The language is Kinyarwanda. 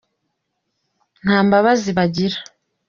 ntambabazi bagira.